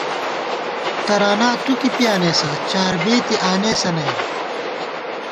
ترانا تُو کی پیانېسہ چاربېتی آنېسہ نئ